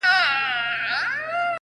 چي د خندا خبري پټي ساتي”